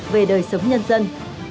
về đời sống nhân dân